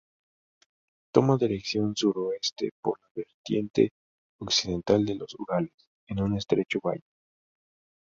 Toma dirección sur-suroeste por la vertiente occidental de los Urales, en un estrecho valle.